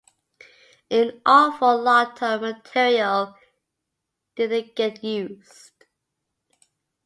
An awful lot of material didn't get used.